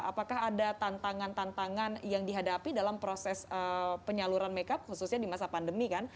apakah ada tantangan tantangan yang dihadapi dalam proses penyaluran makeup khususnya di masa pandemi kan